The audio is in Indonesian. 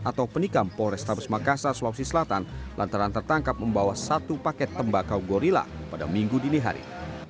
atau penikam polrestabes makassar sulawesi selatan lantaran tertangkap membawa satu paket tembakau gorilla pada minggu dini hari